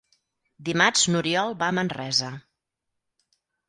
Dimarts n'Oriol va a Manresa.